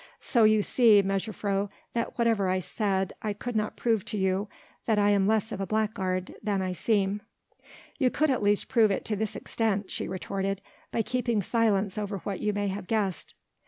So you see, mejuffrouw, that whatever I said I could not prove to you that I am less of a blackguard than I seem." "You could at least prove it to this extent," she retorted, "by keeping silence over what you may have guessed."